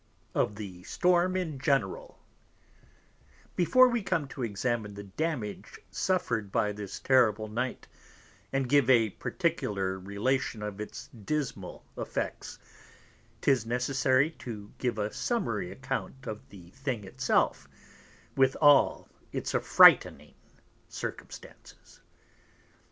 CHAPTER III Of the Storm in General Before we come to examine the Damage suffer'd by this terrible Night, and give a particular Relation of its dismal Effects; 'tis necessary to give a summary Account of the thing it self, with all its affrightning Circumstances.